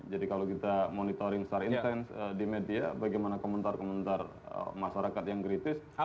jadi kalau kita monitoring star instance di media bagaimana komentar komentar masyarakat yang kritis